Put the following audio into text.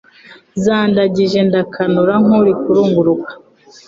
Zandangije ndakanura nkuri kurunguruka